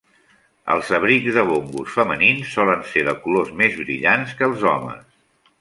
Els abrics de bongos femenins solen ser de colors més brillants que els homes.